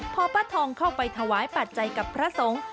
พอป้าทองเข้าไปถวายปัจจัยกับพระสงฆ์